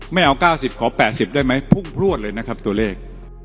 ไม่เอา๙๐ขอ๘๐ได้ไหมพุ่งพลวดเลยนะครับตัวเลข